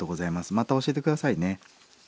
また教えて下さいね。